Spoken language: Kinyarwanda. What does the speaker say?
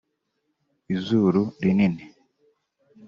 izuru rinini